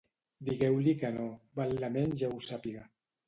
Digueu-li que no, baldament ja ho sàpiga.